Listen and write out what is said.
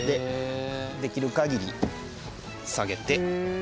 できる限り下げて。